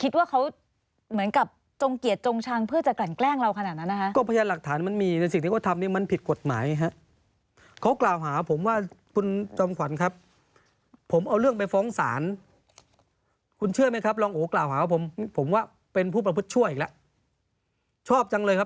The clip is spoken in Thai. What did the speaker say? ซึ่งสารก็พิพากษาว่า